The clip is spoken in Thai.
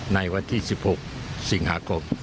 ในวันที่๑๖สิงหาคม